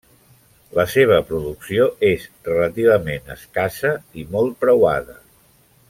La seva producció és relativament escassa i molt preuada.